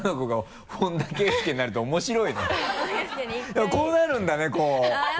でもこうなるんだねこう。